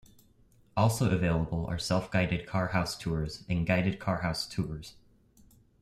Also available are self-guided car house tours and guided car house tours.